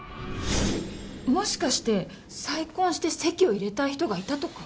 もしかして再婚して籍を入れたい人がいたとか？